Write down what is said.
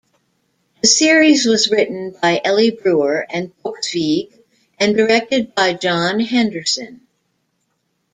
The series was written by Elly Brewer and Toksvig, and directed by John Henderson.